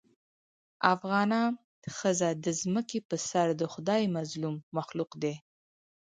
افغانه ښځه د ځمکې په سر دخدای مظلوم مخلوق دې